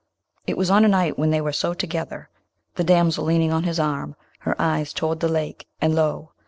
It was on a night when they were so together, the damsel leaning on his arm, her eyes toward the lake, and lo!